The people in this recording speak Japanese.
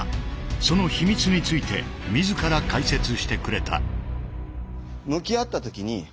その秘密について自ら解説してくれた。